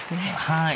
はい。